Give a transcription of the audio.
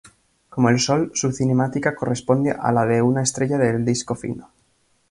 Como el Sol, su cinemática corresponde a la de una estrella del disco fino.